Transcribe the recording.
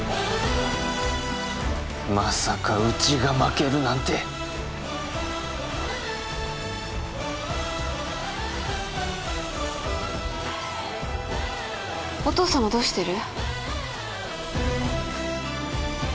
まさかうちが負けるなんてお父様どうしてる？